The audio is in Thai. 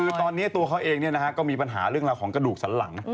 คือตอนนี้ตัวเขาเองก็มีปัญหาเรื่องราวของกระดูกสันหลัง